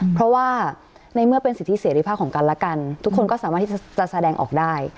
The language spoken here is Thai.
เพราะว่าในเมื่อเป็นสิทธิเสรีภาพของกันและกันทุกคนก็สามารถที่จะแสดงออกได้